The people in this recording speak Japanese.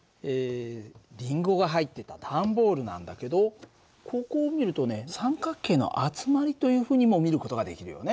りんごが入ってた段ボールなんだけどここを見るとね三角形の集まりというふうにも見る事ができるよね。